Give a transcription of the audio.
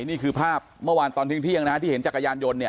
นี่คือภาพเมื่อวานตอนเที่ยงนะฮะที่เห็นจักรยานยนต์เนี่ย